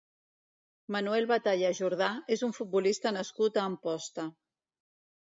Manuel Batalla Jordá és un futbolista nascut a Amposta.